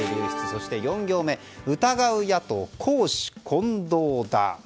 そして４行目疑う野党、公私混同だ！